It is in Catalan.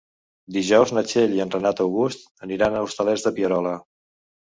Dijous na Txell i en Renat August aniran als Hostalets de Pierola.